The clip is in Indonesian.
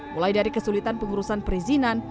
mulai dari kesulitan pengurusan perizinan